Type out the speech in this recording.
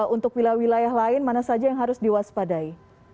untuk wilayah wilayah lain mana saja yang harus diwaspadai